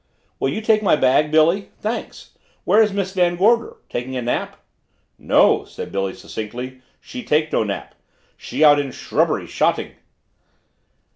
"Will you take my bag, Billy thanks. Where is Miss Van Gorder taking a nap?" "No," said Billy succinctly. "She take no nap. She out in srubbery shotting."